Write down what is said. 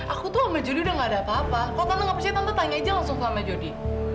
aku tuh sama jody udah nggak ada apa apa kalau tante nggak percaya tante tanya aja langsung sama jody